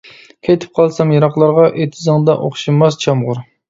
كېتىپ قالسام يىراقلارغا، ئېتىزىڭدا ئوخشىماس چامغۇر.